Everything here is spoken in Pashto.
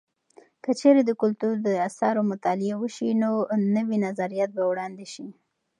که چیرې د کلتور د اثارو مطالعه وسي، نو نوي نظریات به وړاندې سي.